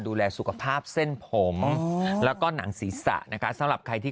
ดูแลสุขภาพเส้นผมแล้วก็หนังศีรษะนะคะสำหรับใครที่